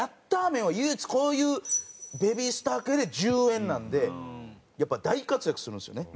めんは唯一こういうベビースター系で１０円なんでやっぱ大活躍するんですよね。